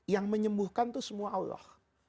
yang menyembuhkan itu semua allah